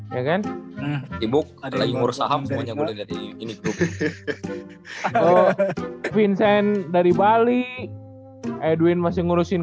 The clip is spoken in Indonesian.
ya kan ibu lagi ngurus saham semuanya gue liat ini grup vincent dari bali edwin masih ngurusin